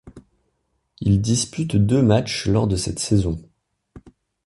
Il dispute deux matchs lors de cette saison.